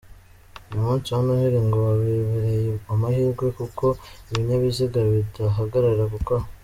Uyu munsi wa Noheli ngo wababereye uw’amahirwe kuko ibinyabiziga bidahagarara gukora.